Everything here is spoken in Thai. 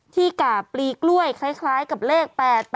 ที่กาบปลีกล้วยคล้ายกับเลข๘๘